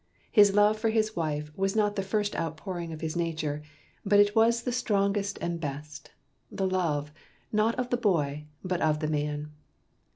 His love for his wife was not the first outpouring of his nature, but it was the strongest and best the love, not of the boy, but of the man.